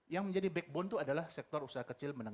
yang menjadi backbone itu adalah sektor jasa keuangan